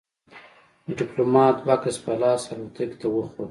ديپلومات بکس په لاس الوتکې ته وخوت.